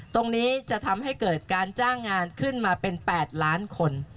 ตรงนี้จะทำให้เกิดการจ้างงานขึ้นมาเป็น๘ล้านคน